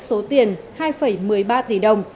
số tiền hai một mươi ba tỷ đồng